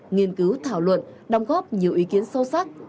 nghiên cứu thảo luận đóng góp nhiều ý kiến sâu sắc